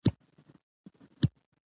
واړه پوځ سراج الدوله پوځ ته ماته ورکړه.